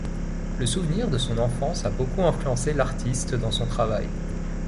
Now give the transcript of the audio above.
Le souvenir de son enfance a beaucoup influencé l'artiste dans son travail.